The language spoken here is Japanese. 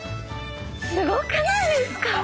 すごくないですか？